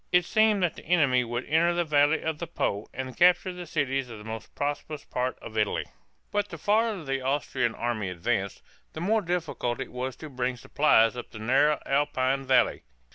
It seemed that the enemy would enter the valley of the Po and capture the cities of the most prosperous part of Italy. But the farther the Austrian army advanced, the more difficult it was to bring supplies up the narrow Alpine valleys.